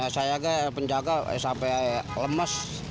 saya penjaga sampai lemes